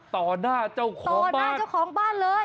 ต่อหน้าเจ้าของต่อหน้าเจ้าของบ้านเลย